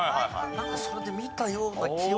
なんかそれで見たような記憶。